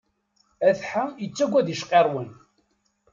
Atḥa yettaggad icqirrwen.